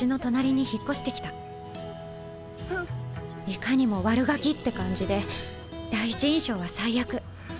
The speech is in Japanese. いかにも「悪ガキ」って感じで第一印象は最悪。